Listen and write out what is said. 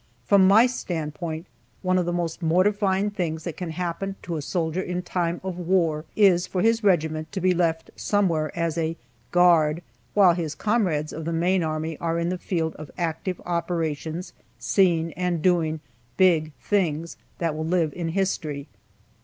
From my standpoint, one of the most mortifying things that can happen to a soldier in time of war is for his regiment to be left somewhere as a "guard," while his comrades of the main army are in the field of active operations, seeing and doing "big things," that will live in history.